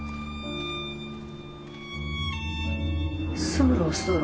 そろそろ。